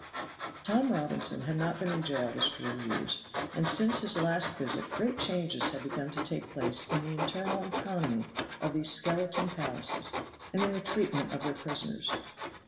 Tom Robinson had not been in jail this four years, and, since his last visit great changes had begun to take place in the internal economy of these skeleton palaces and in the treatment of their prisoners.